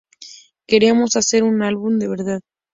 Queríamos hacer un álbum de verdad"".